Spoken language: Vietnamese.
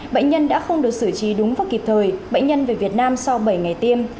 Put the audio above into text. bệnh nhân đã không được xử trí đúng và kịp thời bệnh nhân về việt nam sau bảy ngày tiêm